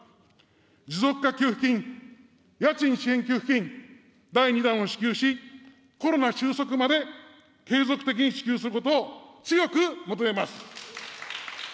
持続化給付金・家賃支援給付金第２弾を支給し、コロナ収束まで継続的に支給することを強く求めます。